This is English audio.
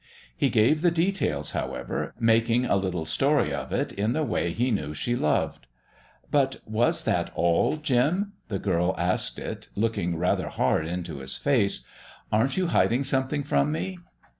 He gave the details, however, making a little story of it in the way he knew she loved. "But was that all, Jim?" The girl asked it, looking rather hard into his face. "Aren't you hiding something from me?"